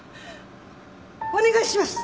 お願いします！